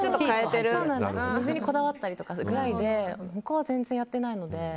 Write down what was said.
水にこだわったりするくらいで他は全然やってないので。